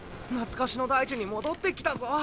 懐かしの大地に戻ってきたぞ。